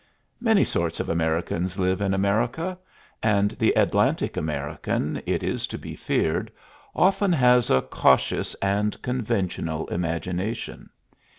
Many sorts of Americans live in America; and the Atlantic American, it is to be feared, often has a cautious and conventional imagination.